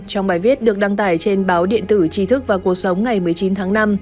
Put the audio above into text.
trong bài viết được đăng tải trên báo điện tử trí thức và cuộc sống ngày một mươi chín tháng năm